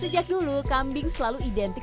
sejak dulu kambing selalu identik